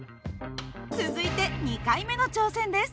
続いて２回目の挑戦です。